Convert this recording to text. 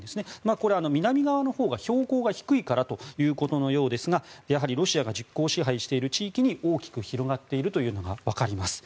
これは南側のほうが標高が低いからということのようですがやはりロシアが実効支配している地域に大きく広がっているというのがわかります。